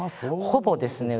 ほぼですね